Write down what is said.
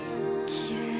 きれい。